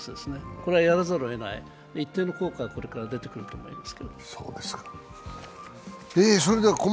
これはやらざるを得ない一定の効果がこれから出てくると思います。